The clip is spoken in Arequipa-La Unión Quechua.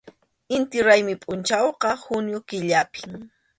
Inti raymi pʼunchawqa junio killapim.